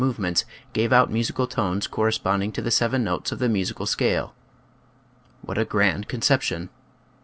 87 movements gave out musical tones correspond ing to the seven notes of the musical scale. What a grand conception!